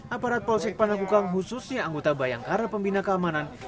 aparat polsek panakukang khususnya anggota bayangkara pembina keamanan